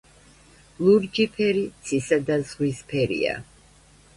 ლურჯი ფერი ცისა და ზღვის ფერია.